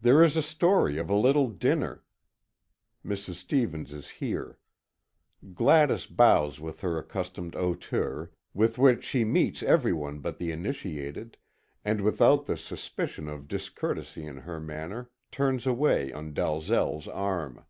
"There is a story of a little dinner." Mrs. Stevens is here. Gladys bows with her accustomed hauteur, with which she meets every one but the initiated, and without the suspicion of discourtesy in her manner, turns away on Dalzel's arm.